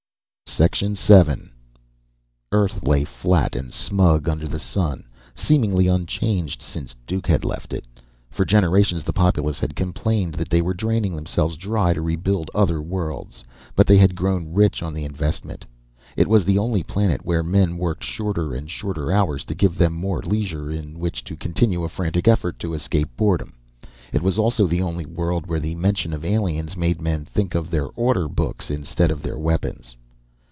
VII Earth lay fat and smug under the sun, seemingly unchanged since Duke had left it. For generations the populace had complained that they were draining themselves dry to rebuild other worlds, but they had grown rich on the investment. It was the only planet where men worked shorter and shorter hours to give them more leisure in which to continue a frantic effort to escape boredom. It was also the only world where the mention of aliens made men think of their order books instead of their weapons.